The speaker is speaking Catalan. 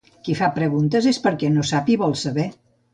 Qui fa preguntes és perquè no sap i vol saber